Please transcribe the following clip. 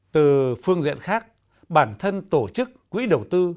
từ phương diện khác bản thân tổ chức quỹ đầu tư